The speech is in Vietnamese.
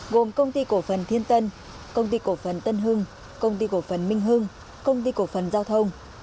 gồm công ty cổ phần thiên tân công ty cổ phần tân hưng công ty cổ phần minh hưng công ty cổ phần giao thông